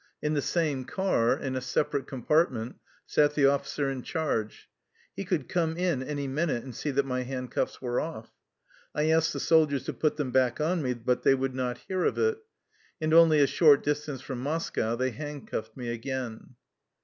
In the same car, in a sepa rate compartment, sat the offlcer in charge: he could come in any minute and see that my hand cuffs were off. I asked the soldiers to put them back on me, but they would not hear of it. And only a short distance from Moscow they hand cuffed me again.